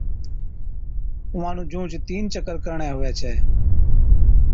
اُونھان نُون جُونھچ تين چڪر ڪرڻي ھُوي ڇَي